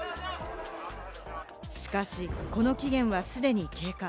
しかしこの期限は既に経過。